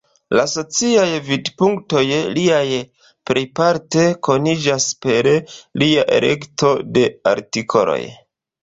La sociaj vidpunktoj liaj plejparte koniĝas per lia elekto de artikoloj.